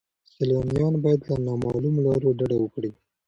سیلانیان باید له نامعلومو لارو ډډه وکړي.